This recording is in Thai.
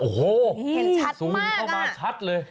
โอ้โหสูมเข้ามาชัดเลย